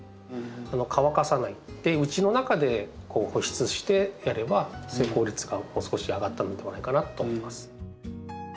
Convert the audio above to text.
乾かさないでうちの中でこう保湿してやれば成功率がもう少し上がったのではないかなと思います。